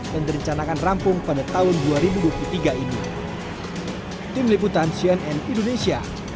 dan direncanakan rampung pada tahun dua ribu dua puluh tiga ini